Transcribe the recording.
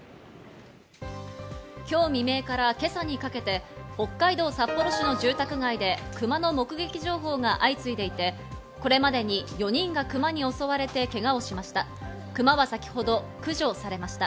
今日未明から今朝にかけて北海道札幌市の住宅街でクマの目撃情報が相次いでいて、これまでに４人がクマに襲われてけがをしました。